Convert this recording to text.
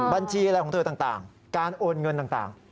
บัญชีอะไรของเธอต่างการโอนเงินต่าง